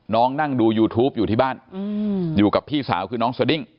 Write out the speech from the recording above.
นั่งดูยูทูปอยู่ที่บ้านอยู่กับพี่สาวคือน้องสดิ้ง